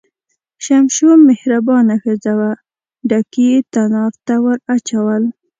شمشو مهربانه ښځه وه، ډکي یې تنار ته ور واچول.